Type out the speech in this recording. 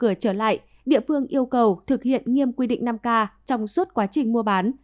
mở cửa trở lại địa phương yêu cầu thực hiện nghiêm quy định năm k trong suốt quá trình mua bán